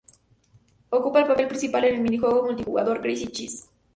Ocupa el papel principal en el mini-juego multijugador "Crazy Chase".